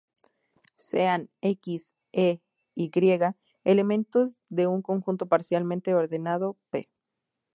Sean "x" e "y" elementos de un conjunto parcialmente ordenado "P".